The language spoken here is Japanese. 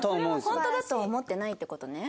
本当だとは思ってないって事ね。